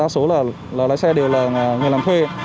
đa số lái xe đều là người làm thuê